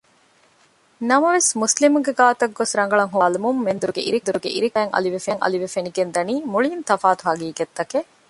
ނަމަވެސް މުސްލިމުންގެ ގާތަށްގޮސް ރަނގަޅަށް ހޯދައި ބަލައިލުމުން މެންދުރުގެ އިރެކޭ އެއްފަދައިން އަލިވެ ފެނިގެންދަނީ މުޅީން ތަފާތު ޙަޤީޤަތްތަކެއް